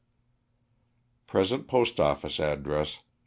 Present postoffice address.